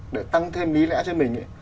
để tăng thêm lý lẽ cho mình ấy